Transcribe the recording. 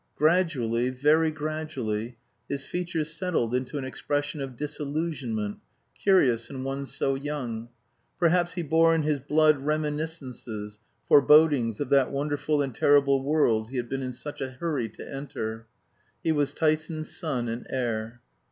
Gradually, very gradually, his features settled into an expression of disillusionment, curious in one so young. Perhaps he bore in his blood reminiscences, forebodings of that wonderful and terrible world he had been in such a hurry to enter. He was Tyson's son and heir.